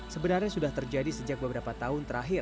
sebenarnya sudah terjadi sejak beberapa tahun terakhir